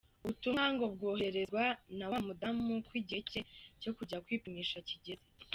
Ubutumwa ngo bwohererezwa na wa mudamu ko igihe cye cyo kujya kwipimisha kigeze.